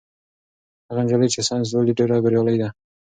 هغه نجلۍ چې ساینس لولي ډېره بریالۍ ده.